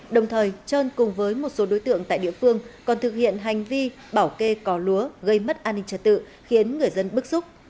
đồng thời trơn cùng với một số đối tượng tại địa phương còn thực hiện hành vi bảo kê có lúa gây mất an ninh trật tự khiến người dân bức xúc